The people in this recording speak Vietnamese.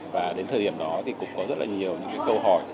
và đến thời điểm đó thì cũng có rất là nhiều những cái câu hỏi